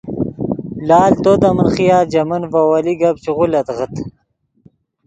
لال تو دے من خیال ژے من ڤے اوّلی گپ چے غولیتغت